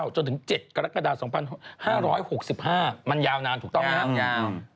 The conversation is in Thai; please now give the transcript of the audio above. จนถึง๗กรกฎา๒๕๖๕มันยาวนานถูกต้องไหมครับยาว